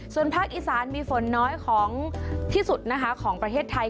ส่วนภาคอีสานมีฝนน้อยของที่สุดนะคะของประเทศไทย